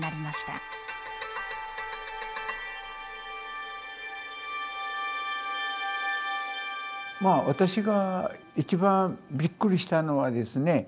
まあ私が一番びっくりしたのはですね